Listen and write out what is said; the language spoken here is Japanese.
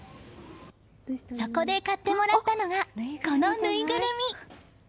そこで買ってもらったのがこのぬいぐるみ！